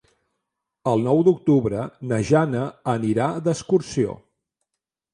El nou d'octubre na Jana anirà d'excursió.